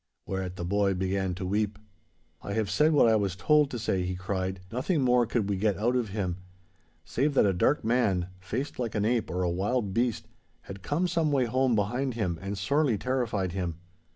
Whereat the boy began to weep. 'I have said what I was told to say,' he cried, and for all we could do, nothing more could we get out of him—save that a dark man, faced like an ape or a wild beast, had come some way home behind him and sorely terrified him.